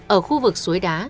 ở khu vực suối đá